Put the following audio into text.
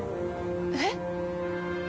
えっ？